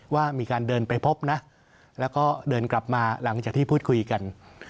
ว่ามีการเดินไปพบนะแล้วก็เดินกลับมาหลังจากที่พูดคุยกัน